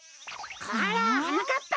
こらはなかっぱ！